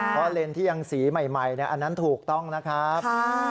เพราะเลนส์ที่ยังสีใหม่อันนั้นถูกต้องนะครับ